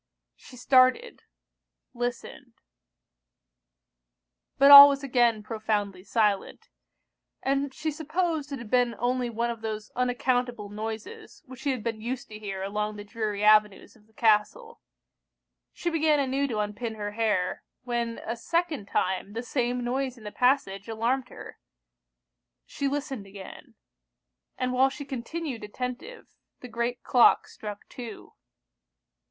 She started listened but all was again profoundly silent; and she supposed it had been only one of those unaccountable noises which she had been used to hear along the dreary avenues of the castle. She began anew to unpin her hair, when a second time the same noise in the passage alarmed her. She listened again; and while she continued attentive, the great clock struck two.